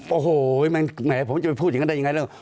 โอ้โหแหมผมจะไปพูดอย่างนั้นได้ยังไงแล้ว